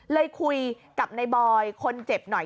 เลยคุยกับในบอยคนเจ็บหน่อย